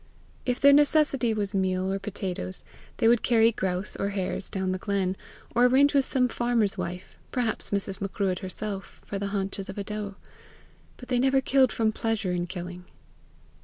If their necessity was meal or potatoes, they would carry grouse or hares down the glen, or arrange with some farmer's wife, perhaps Mrs. Macruadh herself, for the haunches of a doe; but they never killed from pleasure in killing.